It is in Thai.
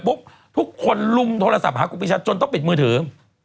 ทุกคนลุมโทรศัพท์หาครูปีชาจนต้องปิดมือถือ